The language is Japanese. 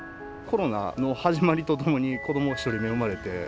コロナの始まりとともに子ども１人目生まれて。